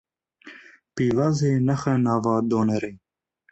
Pîvazê nexe nava donerê.